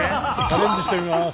チャレンジしてみます。